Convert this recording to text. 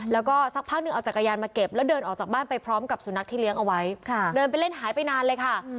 แล้วก็สักพักหนึ่งเอาจักรยานมาเก็บแล้วเดินออกจากบ้านไปพร้อมกับสุนัขที่เลี้ยงเอาไว้เดินไปเล่นหายไปนานเลยค่ะ